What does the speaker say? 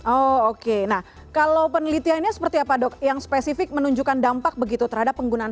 oh oke nah kalau penelitiannya seperti apa dok yang spesifik menunjukkan dampak begitu terhadap penggunaan